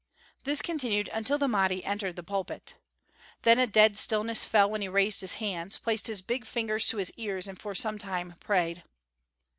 This continued until the Mahdi entered the pulpit. Then a dead stillness fell while he raised his hands, placed his big fingers to his ears, and for some time prayed.